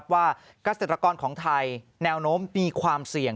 เกษตรกรของไทยแนวโน้มมีความเสี่ยง